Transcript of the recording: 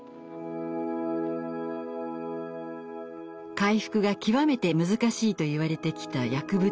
回復が極めて難しいといわれてきた薬物依存。